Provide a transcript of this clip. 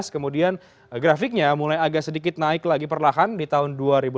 kemudian grafiknya mulai agak sedikit naik lagi perlahan di tahun dua ribu lima belas